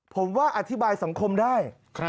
ผมว่าอธิบายสังคมได้